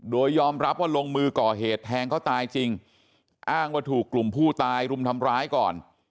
โดยยอมรับว่าลงมือก่อเหตุแทงเขาตายจริงอ้างว่าถูกกลุ่มผู้ตายรุมทำร้ายก่อน